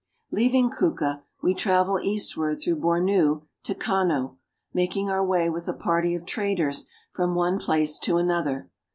Leaving Kuka, we travel eastward through Bornu to Kano, making our way with a party of traders from one place to another.